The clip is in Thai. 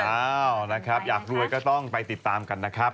อ้าวนะครับอยากรวยก็ต้องไปติดตามกันนะครับ